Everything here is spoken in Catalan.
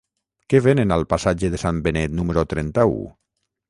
Què venen al passatge de Sant Benet número trenta-u?